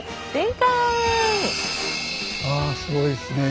あすごいですねえ。